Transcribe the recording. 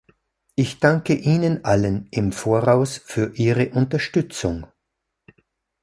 Ich danke Ihnen allen im Voraus für Ihre Unterstützung.